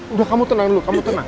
udah kamu tenang dulu